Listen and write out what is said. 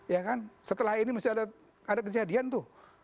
ya kan setelah ini mesti ada kejadian tuh